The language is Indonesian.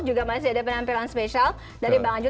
juga masih ada penampilan spesial dari mbak anjul